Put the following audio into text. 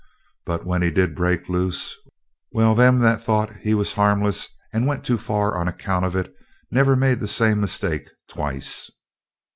But when he did break loose well, them that thought he was 'harmless' and went too far on account of it never made the same mistake twice."